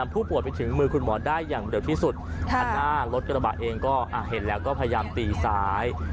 อันหน้ารถกระบะเองก็เห็นแล้วก็พยายามตีซ้าย